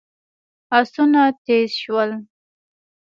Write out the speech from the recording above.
آسونه تېز شول.